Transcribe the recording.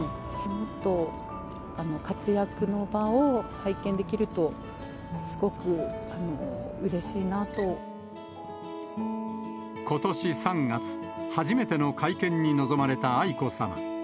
もっと活躍の場を拝見できると、ことし３月、初めての会見に臨まれた愛子さま。